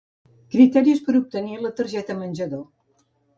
Criteris per obtenir la targeta menjador.